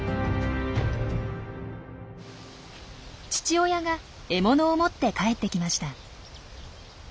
父親が獲物を持って帰ってきました。